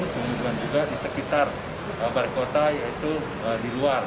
kemudian juga di sekitar barikota yaitu di luar